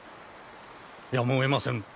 やむをえませぬ。